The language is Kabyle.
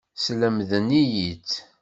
Slemden-iyi-tt.